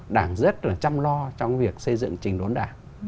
đảng rất là chăm lo trong việc xây dựng trình đốn đảng